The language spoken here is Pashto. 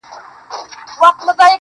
تا د ورځي زه د ځان كړمه جانـانـه~